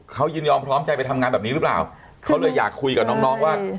เขายินยอมพร้อมใจไปทำงานแบบนี้หรือเปล่าเขาเลยอยากคุยกับน้องน้องว่า